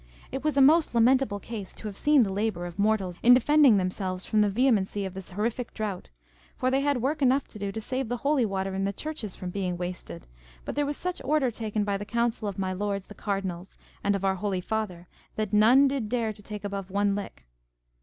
It was a most lamentable case to have seen the labour of mortals in defending themselves from the vehemency of this horrific drought; for they had work enough to do to save the holy water in the churches from being wasted; but there was such order taken by the counsel of my lords the cardinals and of our holy Father, that none did dare to take above one lick.